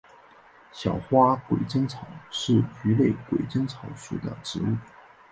小花鬼针草是菊科鬼针草属的植物。